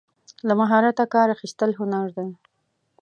له مهارته کار اخیستل هنر دی.